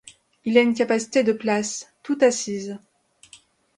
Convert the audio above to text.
Il a une capacité de places, toute assises.